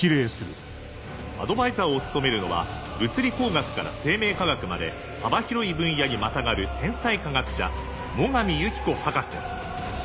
アドバイザーを務めるのは物理工学から生命科学まで幅広い分野にまたがる天才科学者最上友紀子博士。